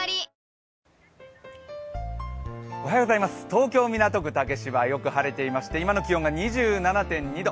東京・港区竹芝はよく晴れていまして今の気温が２７．２度。